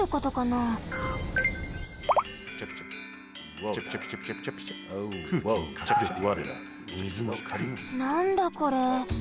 なんだこれ？